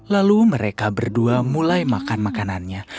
lalu mereka berdua mulai makan makanannya